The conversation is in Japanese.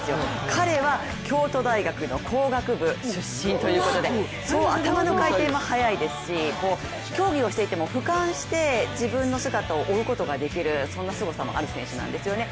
彼は京都大学の工学部出身ということで頭の回転も速いですし、競技をしていてもふかんして自分の姿を追うことができる、そんなすごさもある選手なんですよね。